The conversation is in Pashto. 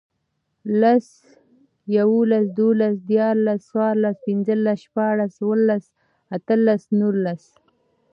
لس, یوولس, دوولس, دیرلس، څوارلس, پنځلس, شپاړس, اووهلس, اتهلس, نورلس